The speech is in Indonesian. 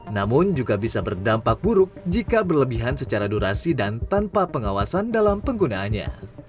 namun juga bisa berdampak buruk jika berlebihan secara durasi dan tanpa pengawasan dalam penggunaannya